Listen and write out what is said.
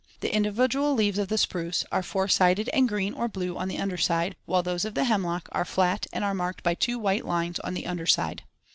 The individual leaves of the spruce, Fig. 9, are four sided and green or blue on the under side, while those of the hemlock, Fig. 10, are flat and are marked by two white lines on the under side.